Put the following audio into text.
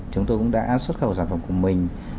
chúng tôi cũng đã xuất khẩu sản phẩm của mình